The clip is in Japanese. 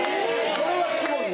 それはすごいな。